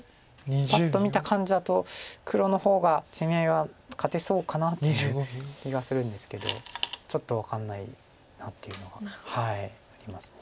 パッと見た感じだと黒の方が攻め合いは勝てそうかなという気がするんですけどちょっと分かんないなっていうのがあります。